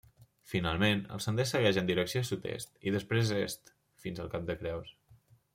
Finalment, el sender segueix en direcció sud-est, i després est, fins al Cap de Creus.